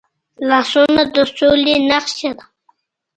لاسونه د سولې نښه ده